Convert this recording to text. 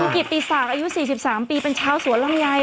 คุณกิตปีศาสตร์อายุ๔๓ปีเป็นชาวสวนลำไย